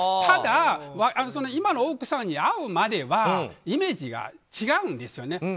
ただ、今の奥さんに会うまではイメージが違うんですよね。